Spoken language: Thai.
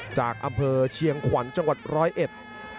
จากอำเภอเชียงขวัญจังหวัดร้อยเอ็ด